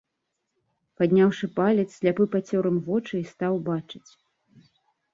Падняўшы палец, сляпы пацёр ім вочы і стаў бачыць.